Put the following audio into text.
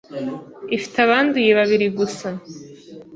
ifite abanduye babiri gusa